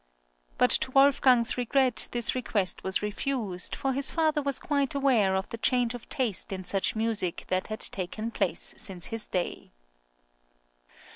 But to Wolfgang's regret this request was refused, for his father was quite aware of the change of taste in such music that had taken place since his day.